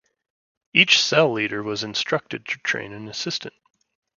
Each cell leader was instructed to train an assistant.